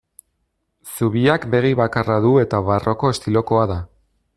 Zubiak begi bakarra du eta barroko estilokoa da.